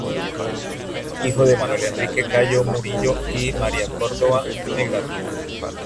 Hijo de Manuel Enrique Cayo Murillo y María Córdova Melgar.